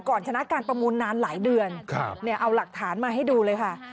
ชนะการประมูลนานหลายเดือนเอาหลักฐานมาให้ดูเลยค่ะ